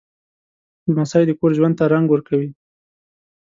لمسی د کور ژوند ته رنګ ورکوي.